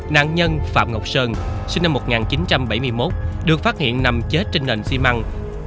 nạn nhân phạm ngọc sơn sinh năm một nghìn chín trăm bảy mươi một được phát hiện nằm chết trên nền xi măng